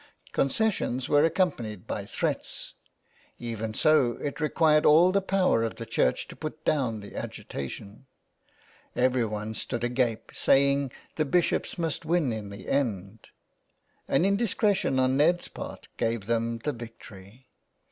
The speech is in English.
Concessions were accom panied by threats. Even so it required all the power of the Church to put down the agitation. Everyone 383 THE WILD GOOSE. stood agape, saying the bishops must win in the end. An indiscretion on Ned's part gave them the victory.